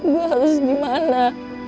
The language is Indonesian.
gue harus dimana